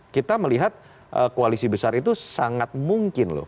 kita melihat koalisi besar itu sangat mungkin loh